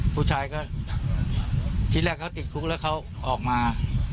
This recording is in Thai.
ผู้ชายก็ที่แรกเขาติดคุกแล้วเขาออกมา